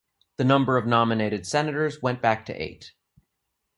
The number of nominated Senators went back to eight.